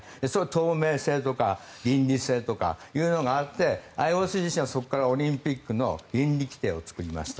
透明性とか倫理性とか色々なものがあってＩＯＣ自身はそこからオリンピックの倫理規定を作りました。